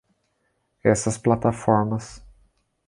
Essas plataformas